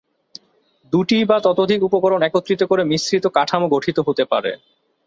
দুটি বা ততোধিক উপকরণ একত্রিত করে মিশ্রিত কাঠামো গঠিত হতে পারে।